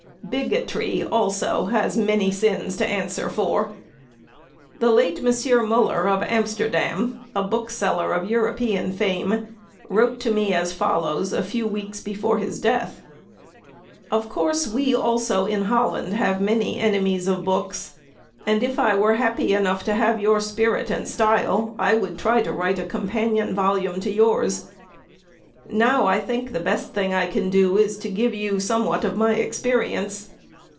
Bigotry has also many sins to answer for. The late M. Muller, of Amsterdam, a bookseller of European fame, wrote to me as follows a few weeks before his death: "Of course, we also, in Holland, have many Enemies of books, and if I were happy enough to have your spirit and style I would try and write a companion volume to yours. Now I think the best thing I can do is to give you somewhat of my experience.